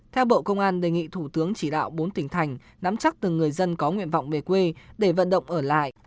theo bộ công an đề nghị thủ tướng chỉ đạo bốn tỉnh thành nắm chắc từng người dân có nguyện vọng về quê để vận động ở lại